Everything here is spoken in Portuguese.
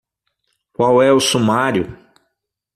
Qual é o sumário?